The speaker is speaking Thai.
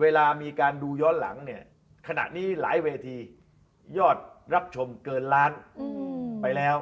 เวลามีการดูย้อนหลังเนี่ยขณะนี้หลายเวทียอดรับชมเกินล้านไปแล้ว